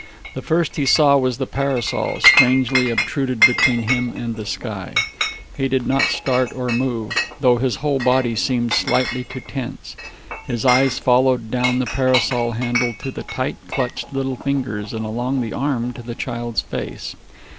The first he saw was the parasol, strangely obtruded between him and the sky. He did not start nor move, though his whole body seemed slightly to tense. His eyes followed down the parasol handle to the tight clutched little fingers, and along the arm to the child's face.